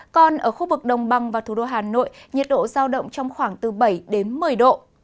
còn ở khu vực đồng bằng và thủ đô hà nội nhiệt độ giao động trong khoảng từ bảy đến một mươi độ